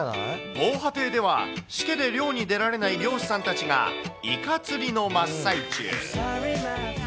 防波堤では、しけで漁に出られない漁師さんたちが、イカ釣りの真っ最中。